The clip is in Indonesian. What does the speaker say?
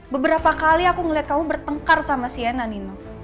beberapa kali aku ngeliat kamu bertengkar sama siena nino